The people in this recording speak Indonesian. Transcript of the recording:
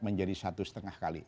menjadi satu setengah kali